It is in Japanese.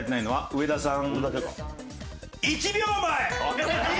上田さん！